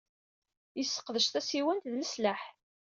Yesseqdec tasiwant d leslaḥ.